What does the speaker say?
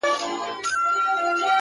• خدایه زموږ ژوند په نوي کال کي کړې بدل؛